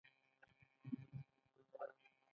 برېټانیا ته د برېټانیا ختیځ هند کمپنۍ واردول.